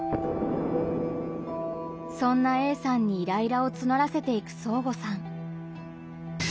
そんなＡさんにイライラをつのらせていくそーごさん。